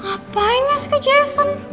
ngapain ya si jason